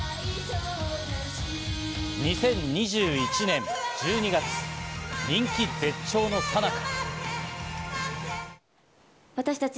２０２１年１２月、人気絶頂のさなか。